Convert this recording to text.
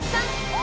お！